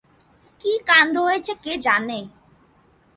কী কাণ্ড হয়েছে কে জানে।